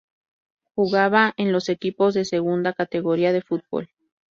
Jugaba en los equipos de Segunda Categoría de Fútbol.